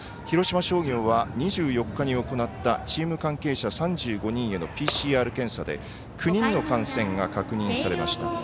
広島商業は２４日に行ったチーム関係者３５人へのＰＣＲ検査で９人の感染が確認されました。